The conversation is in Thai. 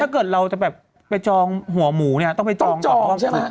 ถ้าเกิดเราจะแบบไปจองหัวหมูเนี่ยต้องไปจองใช่ไหม